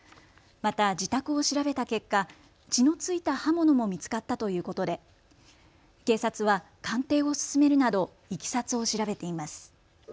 また自宅を調べた結果、血の付いた刃物も見つかったということで警察は鑑定を進めるなど、いきさつを調べています。